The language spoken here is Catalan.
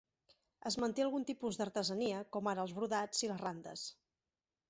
Es manté algun tipus d'artesania com ara els brodats i les randes.